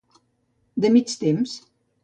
De mig temps.